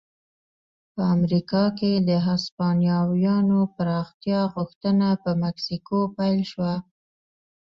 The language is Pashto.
په امریکا کې د هسپانویانو پراختیا غوښتنه په مکسیکو پیل شوه.